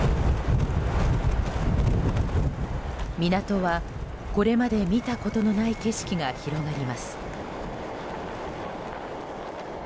港はこれまで見たことのない景色が広がります。